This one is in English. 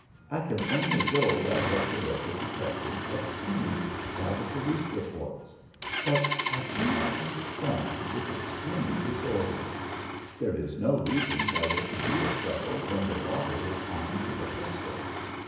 I can only go by what the local detectives have seen, by the police reports. But I do not understand this extreme disorder. There is no reason why there should be a struggle when the robber was armed with a pistol.